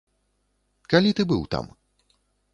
Калі ты быў там?